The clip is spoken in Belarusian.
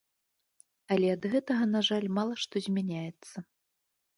Але ад гэтага, на жаль, мала што змяняецца.